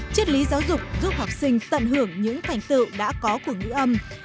chất lý giáo dục giúp học sinh tận hưởng những thành tựu đã có của ngữ âm